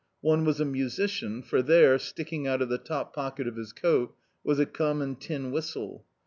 One was a musician, for there, sticking out of the top pocket of his coat, was a common tin whistle.